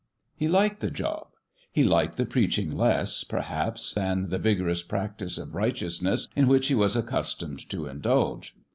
He liked the job: he liked the preaching less, perhaps, than the vigorous prac tice of righteousness in which he was accustomed to indulge.